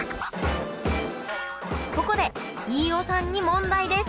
ここで飯尾さんに問題です！